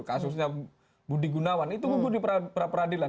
kasusnya budi gunawan itu gugur di perapradilan